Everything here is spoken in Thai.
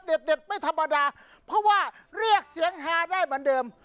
เด็ดไม่ธรรมดาเพราะว่าเรียกเสียงฮาได้เหมือนเดิม